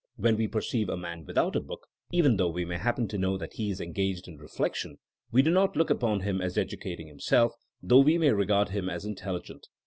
When we perceive a man without a book, even though we may happen to know that he is engaged in reflection, we do not look upon him as educating himself, though we may regard him as intelligent.